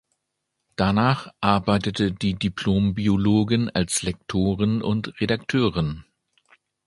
Danach arbeitete die Diplom-Biologin als Lektorin und Redakteurin.